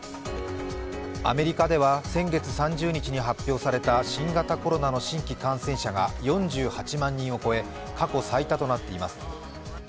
アメリカでは先月３０日に発表された新型コロナの新規感染者が４８万人を超え過去最多となっています。